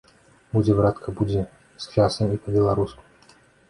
Будзе, братка, будзе з часам і па-беларуску!